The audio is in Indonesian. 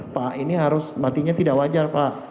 pak ini harus matinya tidak wajar pak